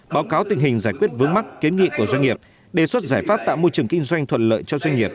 báo cáo tình hình giải quyết vướng mắt kiến nghị của doanh nghiệp đề xuất giải pháp tạo môi trường kinh doanh thuận lợi cho doanh nghiệp